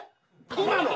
今の。